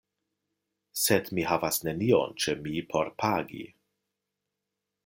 Sed mi havas nenion ĉe mi por pagi.